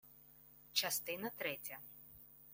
Частина третя